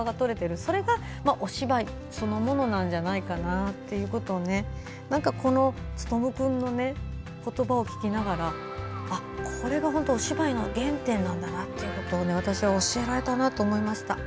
それが、お芝居そのものなんじゃないかということをこのツトム君の言葉を聞きながらこれがお芝居の原点なんだなということを私は教えられたなと思いました。